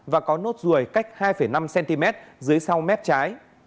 và có nốt ruồi cách hai năm cm dưới sau mép trái